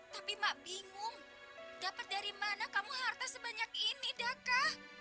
tapi mak bingung dapat dari mana kamu harta sebanyak ini daka